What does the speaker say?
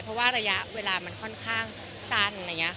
เพราะว่าระยะเวลามันค่อนข้างสั้น